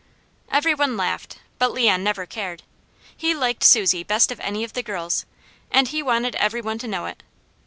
Every one laughed, but Leon never cared. He liked Susie best of any of the girls, and he wanted every one to know it.